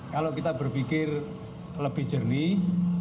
kalau kita berpikir lebih jernih